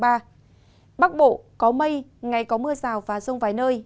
bắc bộ có mây ngày có mưa rào và rông vài nơi